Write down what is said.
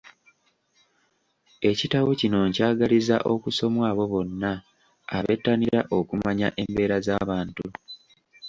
Ekitabo kino nkyagaliza okusomwa abo bonna abettanira okumanya embeera z'abantu.